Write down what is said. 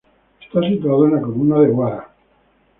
Está situado en la Comuna de Huara.